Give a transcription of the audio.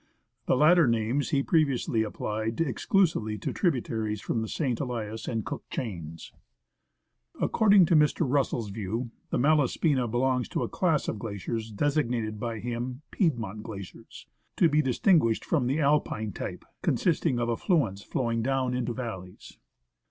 The latter names he previously applied exclusively to tributaries from the St. Elias and Cook chains. According to Mr. Russell's view, the Malaspina belongs to a 79 THE ASCENT OF MOUNT ST. ELIAS class of glaciers designated by him " Piedmont " glaciers, to be dis tinguished from the "Alpine" type, consisting of affluents flowing down into valleys.